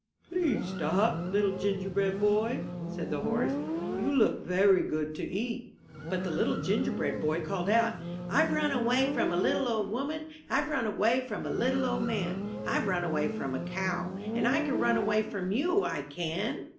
' 'Please stop, Little Gingerbread Boy,'* said the horse. '*You look very good to eat. But the Little Gingerbread Boy called out: ^Tve run away from a little old woman, Fve run away from a little old man, Fve run away from a cow, And I can run away from you, I can.